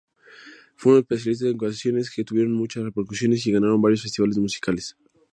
Fue un especialista en canciones que tuvieron mucha repercusiones y ganaron varios festivales musicales.